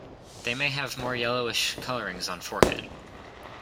They may have more yellowish colorings on forehead.